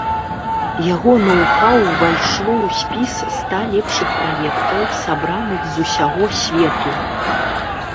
Яго ноу-хау ўвайшло ў спіс ста лепшых праектаў, сабраных з усяго свету.